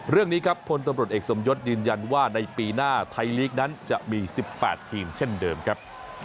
เรื่องนี้ครับพลตำรวจเอกสมยศยืนยันว่าในปีหน้าไทยลีกนั้นจะมี๑๘ทีมเช่นเดิมครับ